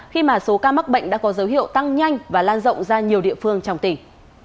khi mà số ca mắc bệnh đã có dấu hiệu tăng nhanh và lan rộng ra nhiều địa phương trong tỉnh